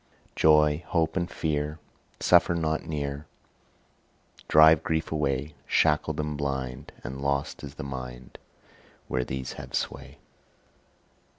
Joy, hope and fear Suffer not near, Drive grief away: Shackled and blind And lost is the mind Where these have sway.